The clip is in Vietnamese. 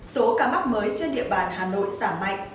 số ca mắc mới trên địa bàn hà nội giảm mạnh